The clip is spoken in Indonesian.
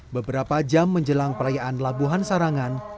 beberapa jam menjelang perayaan labuhan sarangan